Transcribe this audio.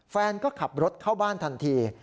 แฟนก็ขับรถเข้าบ้านทันที